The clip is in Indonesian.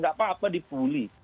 gak apa apa dipuli